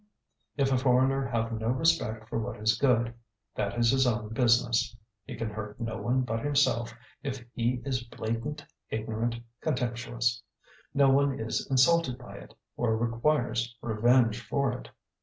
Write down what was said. If a foreigner have no respect for what is good, that is his own business. It can hurt no one but himself if he is blatant, ignorant, contemptuous. No one is insulted by it, or requires revenge for it.